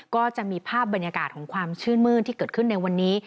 ก็จะมีภาพบรรยากาศของความชื่นมื้นที่เกิดขึ้นในวันนี้